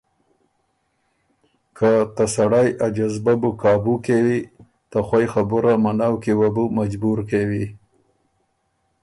که ته سړئ ا جذبۀ بو قابُو کېوی، ته خوئ خبُره منؤ کی وه بو مجبور کېوی